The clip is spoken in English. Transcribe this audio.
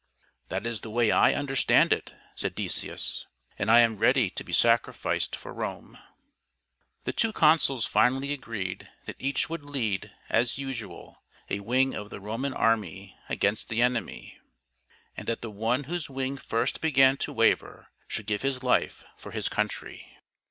" That is the way I understand it," said Decius ;" and I am ready to be sacrificed for Rome." HOW DECIUS MUS SAVED ROME 199 The two consuls finally agreed that each would lead, as usual, a wing of the Roman army against the enemy, and that the one whose wing first began to waver should give his life for his country.